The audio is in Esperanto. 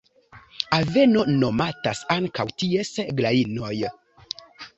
Aveno nomatas ankaŭ ties grajnoj.